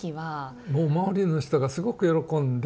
もうマオリの人がすごく喜んで。